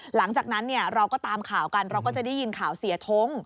หลังจากนั้นเราก็ตามข่าวกันเราก็จะได้ยินข่าวเสียท้ง